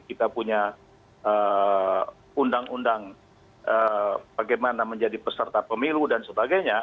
kita punya undang undang bagaimana menjadi peserta pemilu dan sebagainya